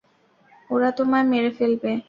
ওরা তোমায় মেরে ফেলবে।